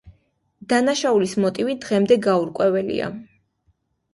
დანაშაულის მოტივი დღემდე გაურკვეველია.